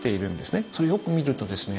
それをよく見るとですね